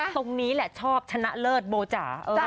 ตรงนี้แหละชอบชนะเลิศโบจ๋า